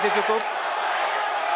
tidak boleh tidak boleh tidak boleh